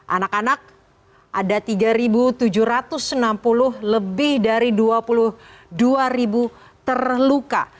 anak anak ada tiga tujuh ratus enam puluh lebih dari dua puluh dua terluka